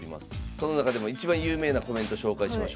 その中でも一番有名なコメント紹介しましょう。